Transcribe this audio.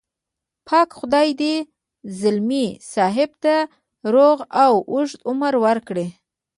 پاک خدای دې ځلمي صاحب ته روغ او اوږد عمر ورکړي.